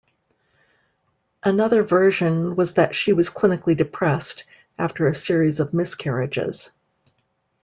Another version was that she was clinically depressed, after a series of miscarriages.